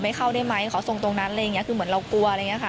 ขอไม่เข้าได้ไหมขอส่งตรงนั้นคือเหมือนเรากลัว